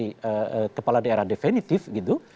ya menjabat sebagai kepala daerah definitif gitu